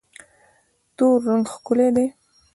تور رنګ ښکلی دی.